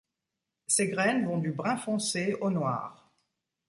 Ses graines vont du brun foncé au noir.